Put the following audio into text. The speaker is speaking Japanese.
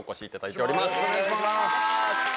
お願いします。